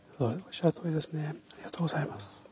ありがとうございます。